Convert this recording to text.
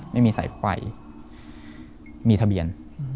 ไม่มีสายไฟมีทะเบียน